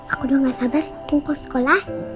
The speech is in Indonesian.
aku doang gak sabar pungkau sekolah